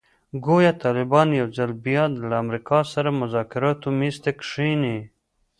ګویا طالبان یو ځل بیا له امریکا سره مذاکراتو میز ته کښېني.